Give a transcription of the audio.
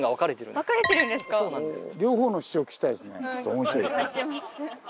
面白い。